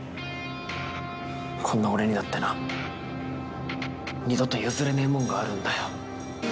「こんな俺にだってな二度と譲れねえもんがあるんだよ」